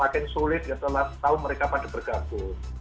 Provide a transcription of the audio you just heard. tahu mereka pada bergabung